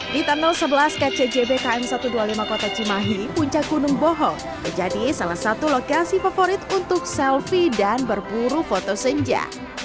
di tunnel sebelas kcjb kn satu ratus dua puluh lima kota cimahi puncak gunung boho menjadi salah satu lokasi favorit untuk selfie dan berburu foto senja